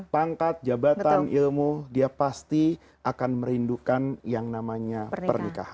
pangkat jabatan ilmu dia pasti akan merindukan yang namanya pernikahan